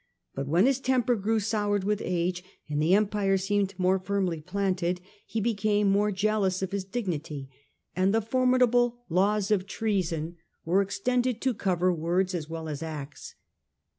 But when his temper grew soured with age, and the Empire seemed more firmly planted, he became more jealous of his dignity, and the formidable ' Laws of Treason ' were ex The Rights of Roman Citizenship, 179 tended to cover words as well as acts.